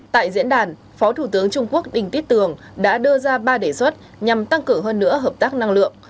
tại diễn đàn phó thủ tướng trung quốc đinh tiết tường đã đưa ra ba đề xuất nhằm tăng cử hơn nữa hợp tác năng lượng